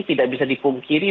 tidak bisa dipungkiri